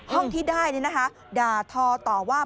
ห้องที่ได้นี่นะคะด่าทอต่อว่า